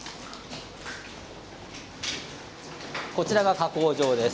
こちらが加工場です。